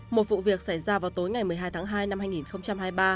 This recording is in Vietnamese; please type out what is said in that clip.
một vụ việc xảy ra vào tối ngày một mươi hai tháng hai năm hai nghìn hai mươi ba